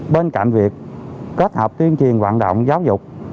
bên cạnh việc kết hợp tuyên truyền vận động giáo dục